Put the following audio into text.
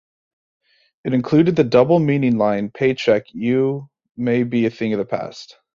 It included the double-meaning line Paycheck you may be a thing of the past.